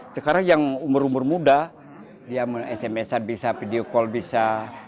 sekarang yang umur umur muda dia sms an bisa video call bisa